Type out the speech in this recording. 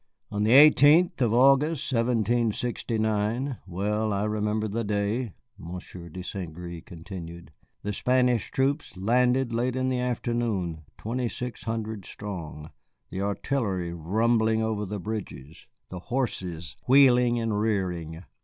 "On the 18th of August, 1769, well I remember the day," Monsieur de St. Gré continued, "the Spanish troops landed late in the afternoon, twenty six hundred strong, the artillery rumbling over the bridges, the horses wheeling and rearing.